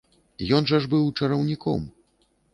Ён жа ж быў чараўніком.